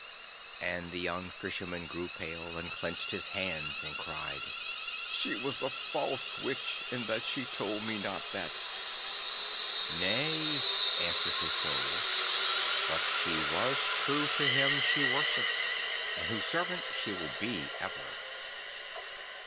And the young Fisherman grew pale and clenched his hands and cried, 'She was a false Witch in that she told me not that.' 'Nay,' answered his Soul, 'but she was true to Him she worships, and whose servant she will be ever.